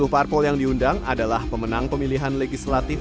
sepuluh parpol yang diundang adalah pemenang pemilihan legislatif